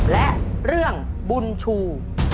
และเรื่องบุญชู